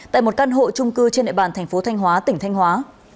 tại một căn hộ trung cư trên nệ bàn tp thanh hóa tỉnh thanh hóa